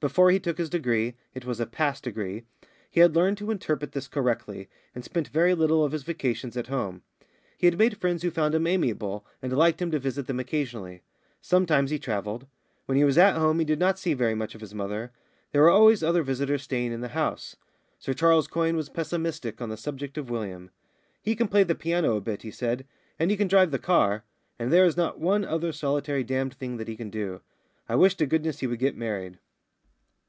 Before he took his degree it was a pass degree he had learned to interpret this correctly, and spent very little of his vacations at home. He had made friends who found him amiable and liked him to visit them occasionally. Sometimes he travelled. When he was at home he did not see very much of his mother. There were always other visitors staying in the house. Sir Charles Quyne was pessimistic on the subject of William. "He can play the piano a bit," he said, "and he can drive the car. And there is not one other solitary damned thing that he can do. I wish to goodness he would get married."